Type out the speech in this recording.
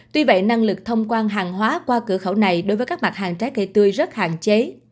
tuy vậy năng lực thông quan hàng hóa qua cửa khẩu này đối với các mặt hàng trái cây tươi rất hạn chế